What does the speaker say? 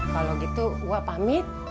kalau gitu wak pamit